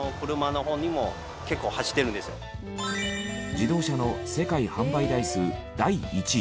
自動車の世界販売台数第１位。